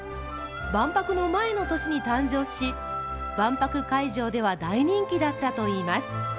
万博の前の年に誕生し、万博会場では大人気だったといいます。